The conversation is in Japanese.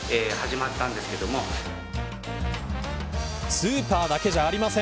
スーパーだけじゃありません。